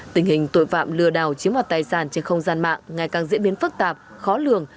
tình hình tội phạm lừa đảo chiếm hoạt tài sản trên không gian mạng ngày càng diễn biến phức tạp khó lường